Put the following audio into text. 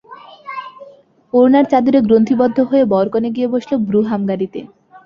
ওড়নায়-চাদরে গ্রন্থিবদ্ধ হয়ে বরকনে গিয়ে বসল ব্রুহাম গাড়িতে।